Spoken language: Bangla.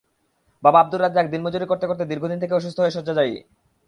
বাবা আবদুর রাজ্জাক দিনমজুরি করতে করতে দীর্ঘদিন থেকে অসুস্থ হয়ে শয্যাশায়ী।